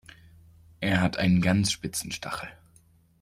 Er hat einen ganz spitzen Stachel.